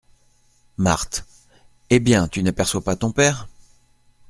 Marthe. — Eh ! bien, tu n’aperçois pas ton père ?